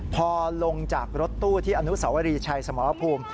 พอลงจากรถตู้ที่อนุสวรีชัยสมรภูมิ